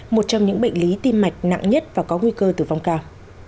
một trong những bệnh lý tim mạch nặng nhất và có nguy cơ tử vong cao